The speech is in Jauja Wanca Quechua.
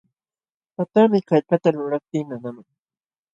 Waqtaami kallpata lulaptii nanaman.